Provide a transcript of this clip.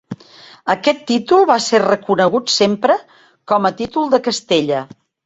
Aquest títol va ser reconegut sempre com a títol de Castella.